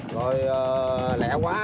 rồi lẹ quá